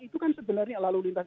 itu kan sebenarnya lalu lintas